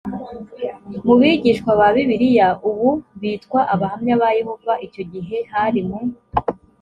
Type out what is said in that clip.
mu bigishwa ba bibiliya ubu bitwa abahamya ba yehova icyo gihe hari mu